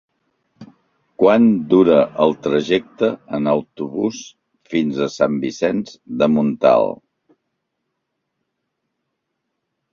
Quant dura el trajecte en autobús fins a Sant Vicenç de Montalt?